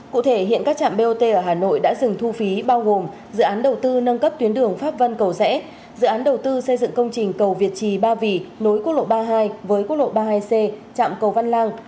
cụ thể hiện các trạm bot ở hà nội đã dừng thu phí bao gồm dự án đầu tư nâng cấp tuyến đường pháp vân cầu rẽ dự án đầu tư xây dựng công trình cầu việt trì ba vì nối quốc lộ ba mươi hai với quốc lộ ba mươi hai c trạm cầu văn lang